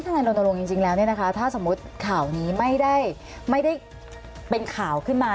นายรณรงค์จริงแล้วถ้าสมมุติข่าวนี้ไม่ได้เป็นข่าวขึ้นมา